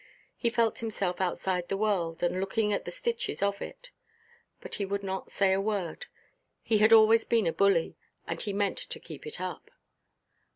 He felt himself outside the world, and looking at the stitches of it. But he would not say a word. He had always been a bully, and he meant to keep it up.